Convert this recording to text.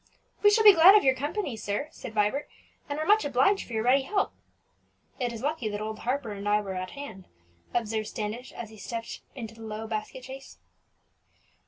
"We shall be glad of your company, sir," said Vibert; "and are much obliged for your ready help." "It is lucky that old Harper and I were at hand," observed Standish, as he stepped into the low basket chaise.